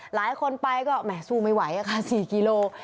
หลายคนไปก็สู้ไม่ไหว๔กิโลกรัม